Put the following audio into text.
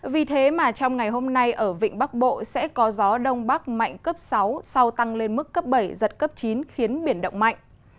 vì thế mà trong ngày hôm nay ở vịnh bắc bộ sẽ có gió đông bắc mạnh cấp sáu sau tăng lên mức cấp bảy giật cấp chín khiến biển động mạnh